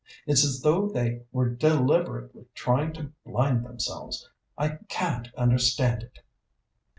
It's as though they were deliberately trying to blind themselves. I can't understand it."